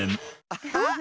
アハッ！